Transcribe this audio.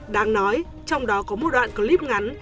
đáng nói trong đó có một đoạn clip ngắn